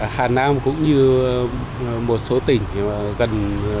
hà nam cũng như một số tỉnh thì gần